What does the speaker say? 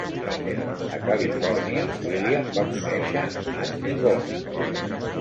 A Califòrnia, William va conèixer Annie Bone.